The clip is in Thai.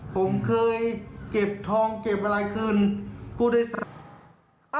ผมเคยเก็บทองเก็บอะไรขึ้น